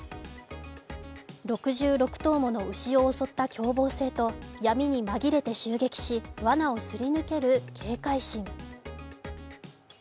６６頭もの牛を襲った凶暴性と、闇に紛れて襲撃し、わなをすり抜ける警戒心。